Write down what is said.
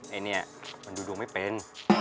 ไอ้เนี่ยมันดูดวงไม่เป็น